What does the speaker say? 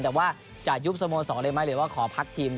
แต่ว่าจะยุบสโมสรเลยไหมหรือว่าขอพักทีม